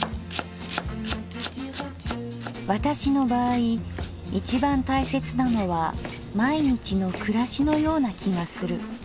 「私の場合一番大切なのは毎日の暮らしのような気がする。